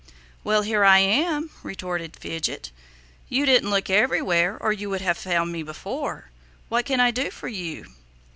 "Well, here I am," retorted Fidget. "You didn't look everywhere or you would have found me before. What can I do for you?"